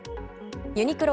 ユニクロ